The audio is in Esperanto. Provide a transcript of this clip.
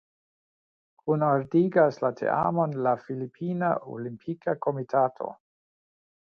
Kunordigas la teamon la Filipina Olimpika Komitato.